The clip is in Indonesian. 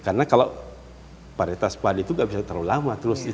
karena kalau varietas pad itu gak bisa terlalu lama terus